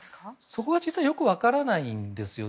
そこが実はよく分からないんですよ。